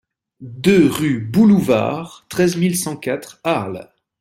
deux rue Boulouvard, treize mille cent quatre Arles